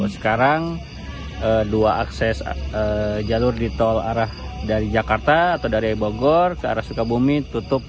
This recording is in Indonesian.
sekarang dua akses jalur di tol arah dari jakarta atau dari bogor ke arah sukabumi tutup